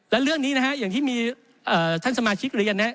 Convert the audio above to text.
และเรื่องนี้นะฮะอย่างที่มีท่านสมาชิกเรียนนะครับ